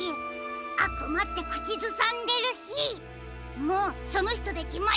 「あくま」ってくちずさんでるしもうそのひとできまりですね！